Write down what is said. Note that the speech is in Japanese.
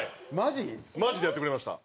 マジでやってくれました。